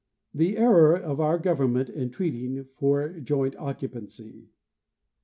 The Error of our Government in treating for Joint Occupancy.